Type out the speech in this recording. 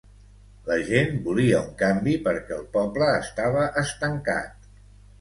la gent volia un canvi perquè el poble estava estancat